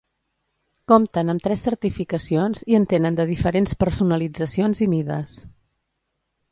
Compten amb tres certificacions i en tenen de diferents personalitzacions i mides.